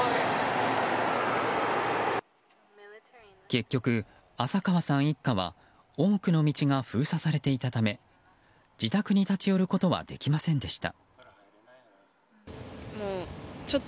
結局、浅川さん一家は多くの道が封鎖されていたため自宅に立ち寄ることはできませんでした。